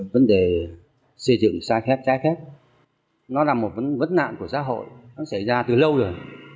vấn đề xây dựng sai khép nó là một vấn nạn của xã hội nó xảy ra từ lâu rồi